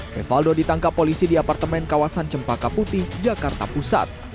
rivaldo ditangkap polisi di apartemen kawasan cempaka putih jakarta pusat